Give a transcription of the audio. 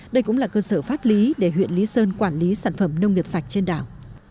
đây cũng là cơ sở pháp lý để huyện lý sơn quản lý sản phẩm nông nghiệp sạch trên đảo